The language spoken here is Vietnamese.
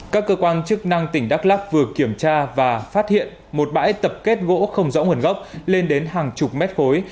các cơ quan chức năng tỉnh đắk lắc vừa kiểm tra và phát hiện một bãi tập kết gỗ không rõ nguồn gốc lên đến hàng chục mét khối